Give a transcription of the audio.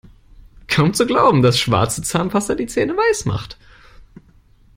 Kaum zu glauben, dass schwarze Zahnpasta die Zähne weiß macht!